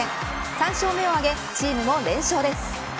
３勝目を挙げチームも連勝です。